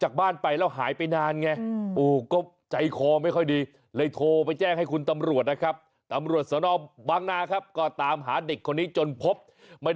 หรือว่าอังเกงไม่ต้องใส่อย่างนี้